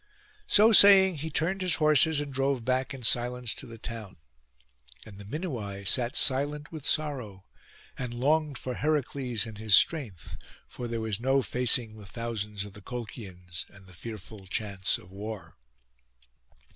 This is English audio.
So saying, he turned his horses and drove back in silence to the town. And the Minuai sat silent with sorrow, and longed for Heracles and his strength; for there was no facing the thousands of the Colchians and the fearful chance of war.